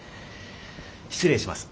失礼します。